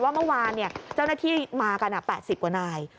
เมื่อวานเจ้าหน้าที่มากัน๘๐กว่านาย